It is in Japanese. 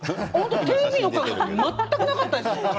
テレビの感覚全くなかったです。